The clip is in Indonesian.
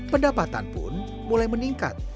pendapatan pun mulai meningkat